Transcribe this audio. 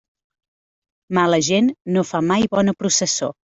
Mala gent no fa mai bona processó.